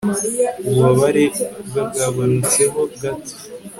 ububabare bwagabanutseho gato